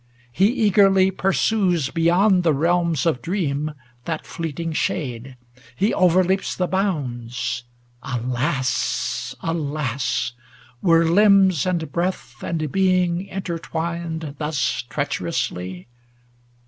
He eagerly pursues Beyond the realms of dream that fleeting shade; He overleaps the bounds. Alas ! alas ! Were limbs and breath and being inter twined Thus treacherously